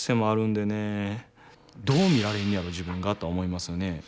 どう見られんねやろ自分がとは思いますよね。